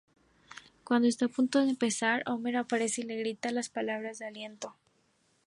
Cuando está a punto de empezar, Homer aparece y le grita palabras de aliento.